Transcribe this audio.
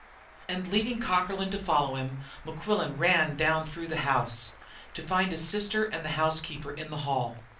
And, leaving Cockerlyne to follow him, Mequillen ran down through the house, to find his sister and the housekeeper in the hall.